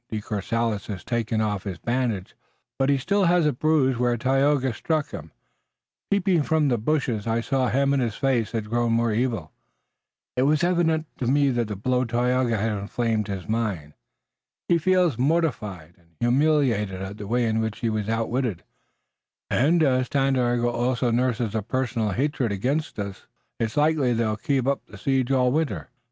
De Courcelles has taken off his bandage, but he still has a bruise where Tayoga struck him. Peeping from the bushes I saw him and his face has grown more evil. It was evident to me that the blow of Tayoga has inflamed his mind. He feels mortified and humiliated at the way in which he was outwitted, and, as Tandakora also nurses a personal hatred against us, it's likely that they'll keep up the siege all winter, if they think in the end they can get us.